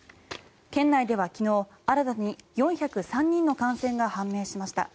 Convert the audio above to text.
県内では昨日新たに４０３人の感染が判明しました。